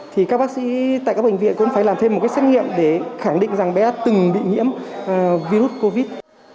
thì các bác sĩ tại các bệnh viện cũng phải làm thêm một cái xét nghiệm để khẳng định rằng bé đã từng bị nhiễm virus covid